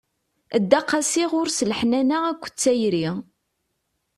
Dda qasi, ɣur-s leḥnana akked tayri.